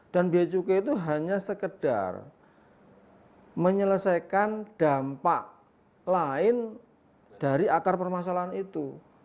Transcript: dan bia cukai itu hanya sekedar menyelesaikan dampak lain dari akar permasalahan itu